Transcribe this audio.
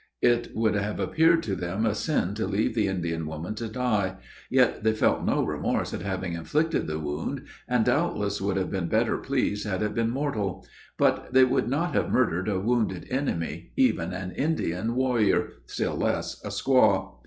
It would have appeared to them a sin to leave the Indian woman to die; yet they felt no remorse at having inflicted the wound, and doubtless would have been better pleased had it been mortal; but they would not have murdered a wounded enemy, even an Indian warrior, still less a squaw.